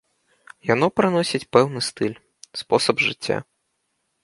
Яно прыносіць пэўны стыль, спосаб жыцця.